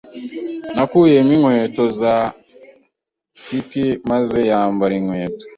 yakuyemo inkweto za ski maze yambara inkweto.